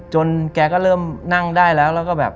แกก็เริ่มนั่งได้แล้วแล้วก็แบบ